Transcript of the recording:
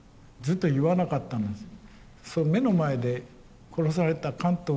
だから言わなかったんですね。